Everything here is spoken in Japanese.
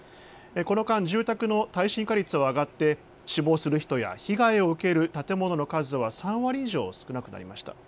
この間、住宅の耐震化率は上がって死亡する人や被害を受ける建物の数は３割以上少なくなりました。